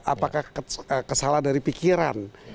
apakah kesalahan dari pikiran